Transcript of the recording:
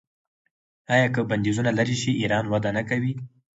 آیا که بندیزونه لرې شي ایران وده نه کوي؟